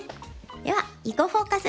では「囲碁フォーカス」